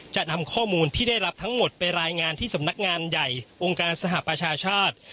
จะนำข้อมูลที่ได้รับทั้งหมดไปรายงานที่สำนักงานใหญ่องค์การสหประชาชาติ